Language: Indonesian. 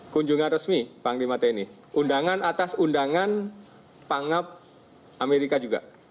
kunjungan resmi panglima tni undangan atas undangan pangap amerika juga